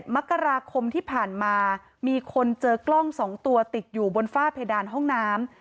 มกราคมที่ผ่านมามีคนเจอกล้อง๒ตัวติดอยู่บนฝ้าเพดานห้องน้ำ